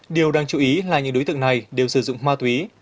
điều đáng chú ý là những đối tượng này đều sử dụng ma túy